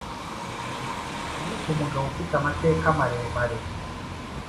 Ni umugabo ufite amateka maremare.